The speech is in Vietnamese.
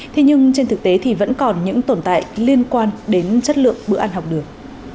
thế nhưng trên thực tế thì vẫn còn những tồn tại liên quan đến chất lượng bữa ăn học đường